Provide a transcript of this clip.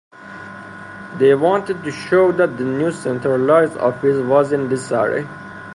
They wanted to show that the new centralized office was in disarray.